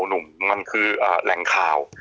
หนุ่มมันคือแหล่งข่าว